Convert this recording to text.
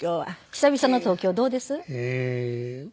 久々の東京どうです？